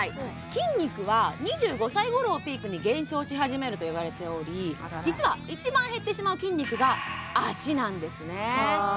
筋肉は２５歳ごろをピークに減少し始めるといわれており実は一番減ってしまう筋肉が足なんですね